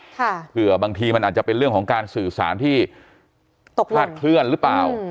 เผื่อบางทีมันอาจจะเป็นเรื่องของการสื่อสารที่ตกพลาดเคลื่อนหรือเปล่า